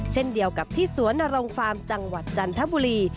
เช่นเดียวกับที่สวนนรงฟาร์มจังหวัดจันทบุรี